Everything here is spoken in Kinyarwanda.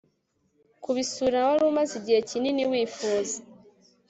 kubisura wari umaze igihe kinini wifuza